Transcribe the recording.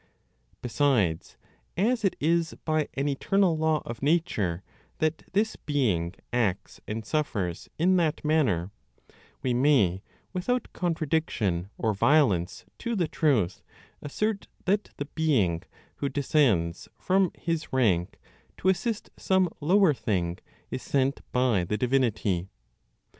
Besides, as it is by an eternal law of nature that this being acts and suffers in that manner, we may, without contradiction or violence to the truth, assert that the being who descends from his rank to assist some lower thing is sent by the divinity.